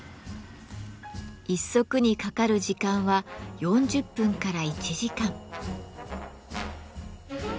一足にかかる時間は４０分から１時間。